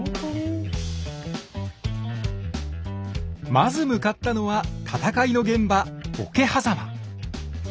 まず向かったのは戦いの現場桶狭間。